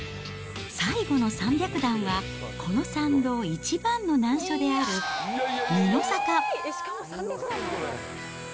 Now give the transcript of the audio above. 最後の３００段は、この参道一番の難所である二の坂。